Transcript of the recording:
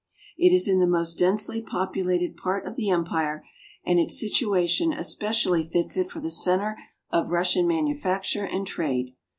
It is in the most densely populated part of the empire, and its situation especially fits it for the center of Russian manufacture and trade.